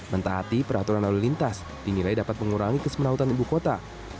mentaati peraturan lalu lintas dinilai dapat mengurangi kesemenautan ibu kota